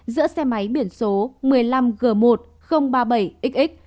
giữa xe máy biển số một mươi năm g một nghìn ba mươi bảy xx